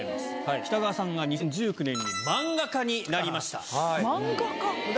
北川さんが２０１９年に漫画家になりました。